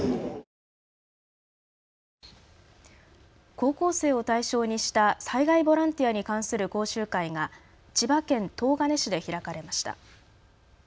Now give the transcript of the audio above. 高校生を対象にした災害ボランティアに関する講習会が千葉県東金市で開かれました。